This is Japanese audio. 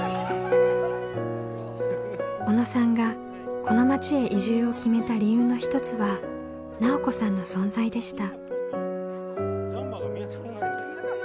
小野さんがこの町へ移住を決めた理由の一つは奈緒子さんの存在でした。